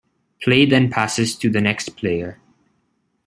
Play then passes to the next player.